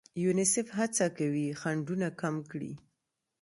یونیسف هڅه کوي خنډونه کم کړي.